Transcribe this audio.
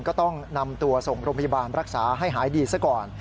ก็ต้องนำตัวส่งโรงพยาบาลรักษาให้หายดีซะก่อน